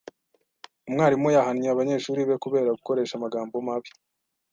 Umwarimu yahannye abanyeshuri be kubera gukoresha amagambo mabi.